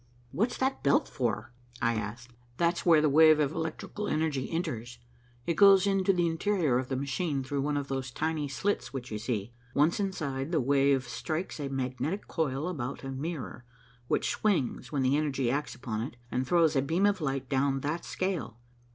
"What's that belt for?" I asked. "That's where the wave of electrical energy enters. It goes into the interior of the machine through one of those tiny slits which you see. Once inside, the wave strikes a magnetic coil about a mirror, which swings when the energy acts upon it, and throws a beam of light down that scale."